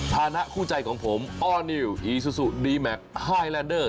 นะคู่ใจของผมอ้อนิวอีซูซูดีแมคไฮแลนเดอร์